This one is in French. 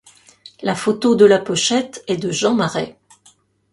La photo de la pochette est de Jean Marais.